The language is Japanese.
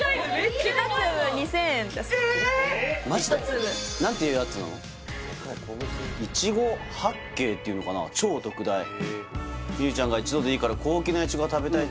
１粒苺八景っていうのかな超特大「望結ちゃんが一度でいいから高級な苺が食べたいと」